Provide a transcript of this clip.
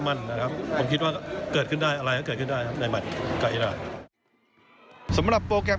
แต่ว่าผมคิดว่าถ้าเรามาลงในสนาม